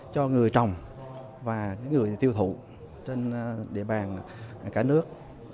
cho người trồng và những người tiêu thụ trên địa bàn cả nước